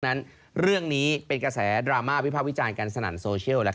นั้นเรื่องนี้เป็นกระแสดราม่าวิภาควิจารณ์กันสนั่นโซเชียล